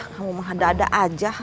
kamu mah dada aja